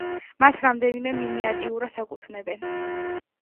მას რამდენიმე მინიატიურას აკუთვნებენ.